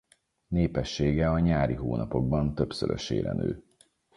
Népessége a nyári hónapokban többszörösére nő.